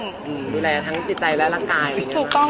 ดูแลทั้งจิตใจและรักกาย